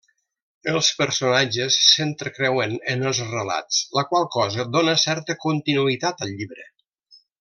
Els personatges s'entrecreuen en els relats, la qual cosa dóna certa continuïtat al llibre.